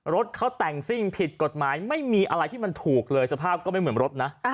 รถเขาแต่งซิ่งผิดกฎหมายไม่มีอะไรที่มันถูกเลยสภาพก็ไม่เหมือนรถนะ